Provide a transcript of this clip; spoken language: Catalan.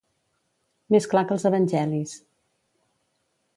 Més clar que els evangelis.